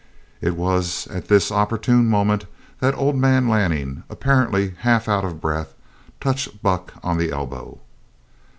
It was at this opportune moment that old man Lanning, apparently half out of breath, touched Buck on the elbow.